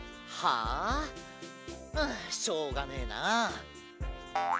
ああしょうがねえな。